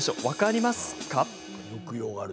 分かりますか？